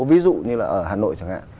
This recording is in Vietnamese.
ví dụ như là ở hà nội chẳng hạn